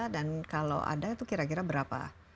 dan kalau ada itu kira kira berapa